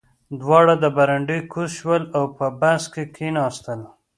دواړه له برنډې کوز شول او په بس کې کېناستل